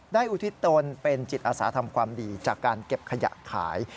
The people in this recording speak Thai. อุทิศตนเป็นจิตอาสาทำความดีจากการเก็บขยะขาย